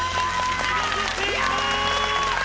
見事成功！